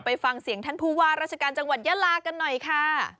ไปฟังเสียงท่านผู้ว่าราชการจังหวัดยาลากันหน่อยค่ะ